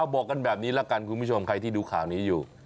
บอกกันแบบนี้ละกันคุณผู้ชมใครที่ดูข่าวนี้อยู่